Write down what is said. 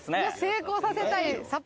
「成功させたい」